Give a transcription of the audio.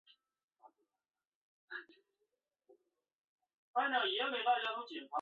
大邱红螯蛛为管巢蛛科红螯蛛属的动物。